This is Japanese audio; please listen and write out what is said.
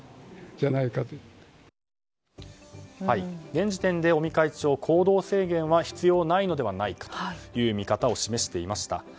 現時点で尾身会長、行動制限は必要ないのではないかという見方を示していました。